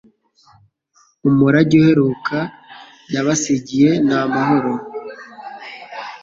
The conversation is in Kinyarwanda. Umurage uheruka yabasigiye ni amahoro.